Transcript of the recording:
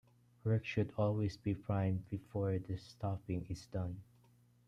Work should always be primed before the stopping is done.